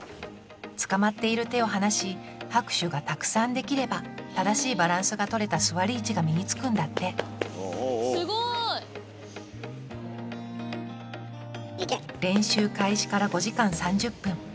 つかまっている手を離し拍手がたくさんできれば正しいバランスが取れた座り位置が身につくんだって練習開始から５時間３０分。